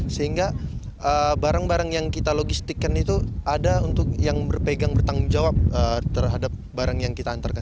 sehingga barang barang yang kita logistikkan itu ada untuk yang berpegang bertanggung jawab terhadap barang yang kita antarkan